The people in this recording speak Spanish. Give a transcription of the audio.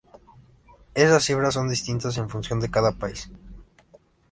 Esas cifras son distintas en función de cada país.